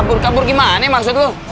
kabur kabur gimana maksud lo